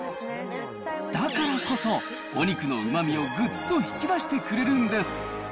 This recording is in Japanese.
だからこそ、お肉のうまみをぐっと引き出してくれるんです。